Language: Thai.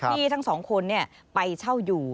ที่ทั้งสองคนไปเช่าอยู่